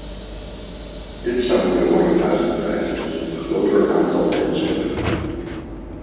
Dit zou moeten worden uitgebreid tot een groter aantal levensmiddelen.